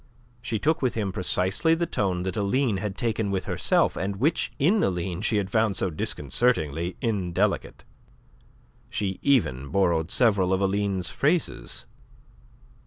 She took with him precisely the tone that Aline had taken with herself and which in Aline she had found so disconcertingly indelicate. She even borrowed several of Aline's phrases.